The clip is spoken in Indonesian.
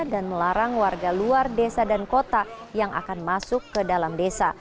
dan melarang warga luar desa dan kota yang akan masuk ke dalam desa